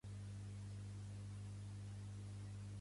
Pujant per la planta, en Jack va arribar a casa d'un gegant.